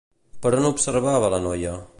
Per on observava la noia?